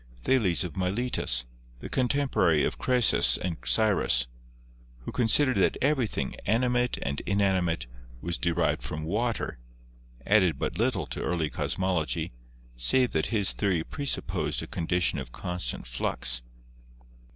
Thales of Miletus, the contemporary of Croesus and Cyrus, who considered that everything, animate and in animate, was derived from water, added but little to early cosmology, save that his theory presupposed a condition of constant flux.